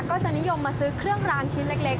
ก็จะนิยมมาซื้อเครื่องรางชิ้นเล็ก